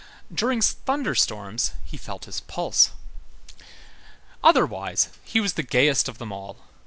During thunder storms, he felt his pulse. Otherwise, he was the gayest of them all.